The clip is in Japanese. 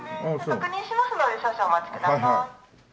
確認しますので少々お待ちください。